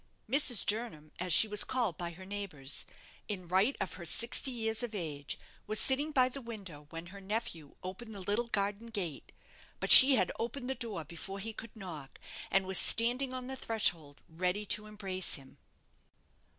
Mrs. Jernam, as she was called by her neighbours, in right of her sixty years of age, was sitting by the window when her nephew opened the little garden gate: but she had opened the door before he could knock, and was standing on the threshold ready to embrace him.